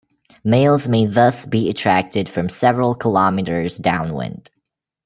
Males may thus be attracted from several kilometres downwind.